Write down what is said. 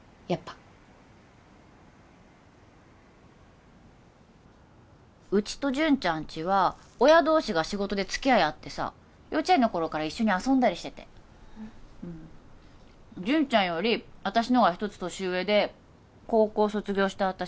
やっぱうちとジュンちゃんちは親同士が仕事で付き合いあってさ幼稚園の頃から一緒に遊んだりしててジュンちゃんより私のが一つ年上で高校卒業して